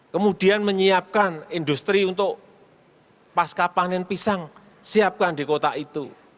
kemudian menyiapkan industri untuk pasca panen pisang siapkan di kota itu